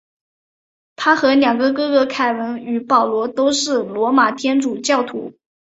他和两个哥哥凯文与保罗都是罗马天主教徒。